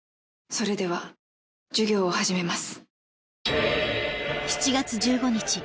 それでは授業を始めます。